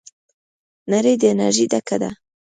نړۍ د انرژۍ ډکه ده.